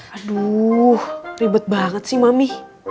aduh ribet banget sih mami